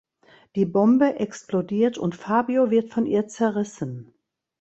Die Bombe explodiert und Fabio wird von ihr zerrissen.